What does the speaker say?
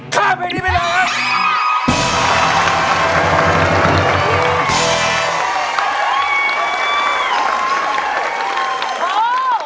ข้ามเพลงนี้ไปเลยครับ